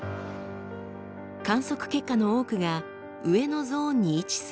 観測結果の多くが上のゾーンに位置する